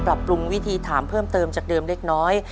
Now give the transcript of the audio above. ปรับปรุงวิธีถามเพิ่มเติมจากเดิมเล็กน้อย